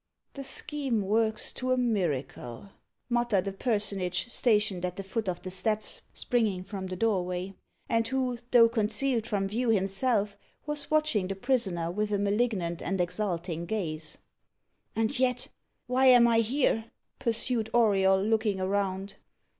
"The scheme works to a miracle," muttered a personage stationed at the foot of the steps springing from the doorway, and who, though concealed from view himself, was watching the prisoner with a malignant and exulting gaze. "And yet, why am I here?" pursued Auriol, looking around.